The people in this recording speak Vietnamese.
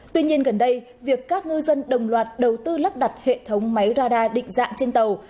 tuy nhiên gần đây việc các ngư dân đồng loạt đầu tư lắp đặt hệ thống máy radar định dạng trên tàu